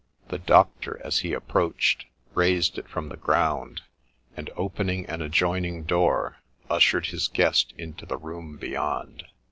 The Doctor, as he approached, raised it from the ground, and, opening an adjoining door, ushered his guest into the room beyond.